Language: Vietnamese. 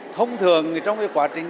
thông thường trong quá trình